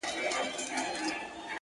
o هم ئې پر مخ وهي، هم ئې پر نال وهي٫